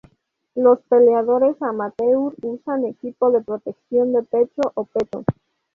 Los peleadores amateur usan equipo de protección de pecho o peto.